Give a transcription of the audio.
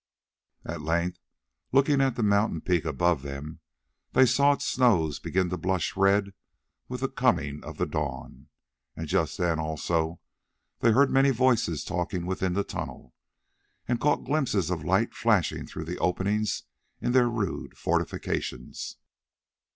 At length, looking at the mountain peak above them, they saw its snows begin to blush red with the coming of the dawn, and just then also they heard many voices talking within the tunnel, and caught glimpses of lights flashing through the openings in their rude fortifications.